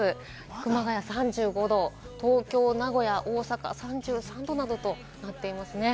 熊谷３５度、東京、名古屋、大阪３３度などとなっていますね。